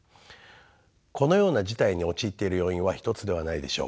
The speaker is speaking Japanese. このような事態に陥っている要因は１つではないでしょう。